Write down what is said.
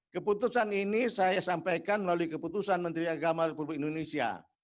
keputusan ini saya sampaikan melalui keputusan menteri agama republik indonesia